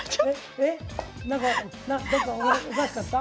なんかどっかおかしかった？